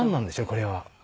これは。